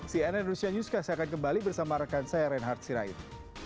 cnn r conference saya akan kembali bersama rekan saya reinhard sirahit